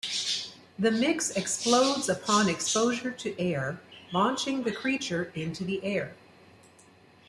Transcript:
The mix explodes upon exposure to air, launching the creature into the air.